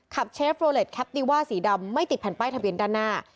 เชฟโรเล็ตแคปติว่าสีดำไม่ติดแผ่นป้ายทะเบียนด้านหน้า